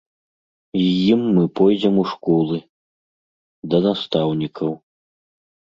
З ім мы пойдзем у школы, да настаўнікаў.